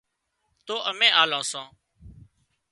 تو امين آلان سان